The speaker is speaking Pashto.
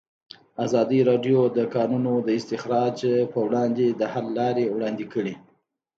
ازادي راډیو د د کانونو استخراج پر وړاندې د حل لارې وړاندې کړي.